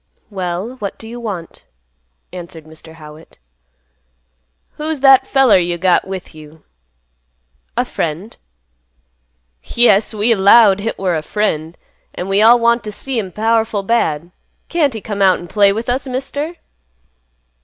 "Well, what do you want?" answered Mr. Howitt. "Who's that there feller you got with you?" "A friend." "Yes! We all 'lowed hit war a friend, an' we all want t' see him powerful bad. Can't he come out an' play with us, Mister?"